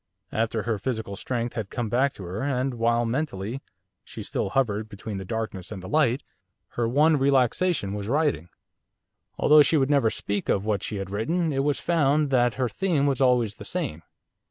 After her physical strength had come back to her, and, while mentally, she still hovered between the darkness and the light, her one relaxation was writing. Although she would never speak of what she had written, it was found that her theme was always the same.